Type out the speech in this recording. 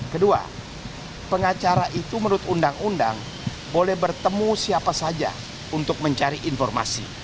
kedua pengacara itu menurut undang undang boleh bertemu siapa saja untuk mencari informasi